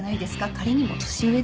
仮にも年上ですよ？